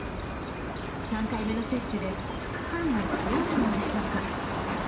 ３回目の接種で副反応はどうなるのでしょうか。